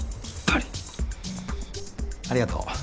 ありがとう。